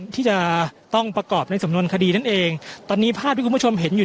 ที่จะต้องประกอบในสำนวนคดีนั่นเองตอนนี้ภาพที่คุณผู้ชมเห็นอยู่